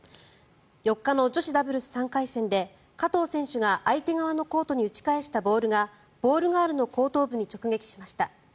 ４日の女子ダブルス３回戦で加藤選手が相手側のコートに打ち返したボールがボールガールの後頭部に直撃しました。